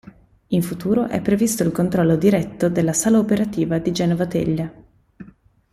In futuro è previsto il controllo diretto dalla sala operativa di Genova Teglia.